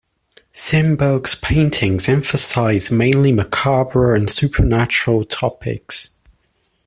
Simberg's paintings emphasize mainly macabre and supernatural topics.